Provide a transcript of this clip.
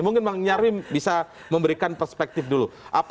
mungkin bang nyarwi bisa memberikan perspektif dulu